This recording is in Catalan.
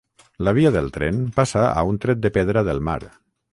La via del tren passa a un tret de pedra del mar